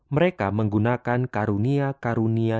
mereka menggunakan karunia karunia